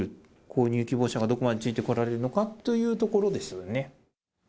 購入希望者がどこまでついてこられるのかというところですよね。